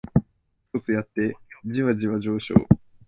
コツコツやってジワジワ上昇